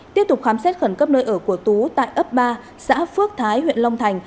tiếp tục khám xét khẩn cấp nơi ở của tú tại ấp ba xã phước thái huyện long thành